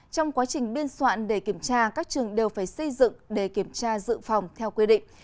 trong quá trình biên soạn để kiểm tra các trường đều phải xây dựng để kiểm tra dự phòng theo quy định